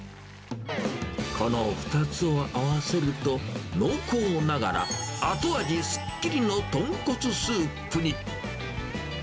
この２つを合わせると、濃厚ながら、後味すっきりの豚骨スープに。